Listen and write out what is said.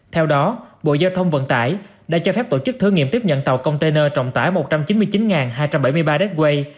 theo đó bộ giao thông vận tải đã cho phép tổ chức thử nghiệm tiếp nhận tàu container trọng tải một trăm chín mươi chín hai trăm bảy mươi ba datway